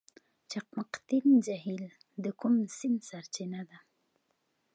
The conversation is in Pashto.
چقمقتین جهیل د کوم سیند سرچینه ده؟